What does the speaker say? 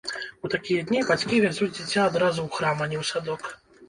У такія дні бацькі вязуць дзіця адразу ў храм, а не ў садок.